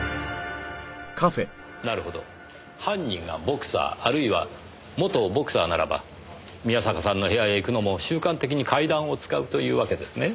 なるほど犯人がボクサーあるいは元ボクサーならば宮坂さんの部屋へ行くのも習慣的に階段を使うというわけですね。